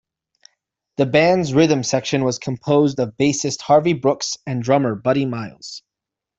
The band's rhythm section was composed of bassist Harvey Brooks and drummer Buddy Miles.